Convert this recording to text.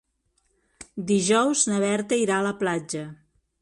Dijous na Berta irà a la platja.